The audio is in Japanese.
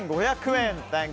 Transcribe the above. ８５００円。